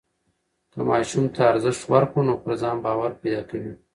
که ماشوم ته ارزښت ورکړو نو پر ځان باور پیدا کوي.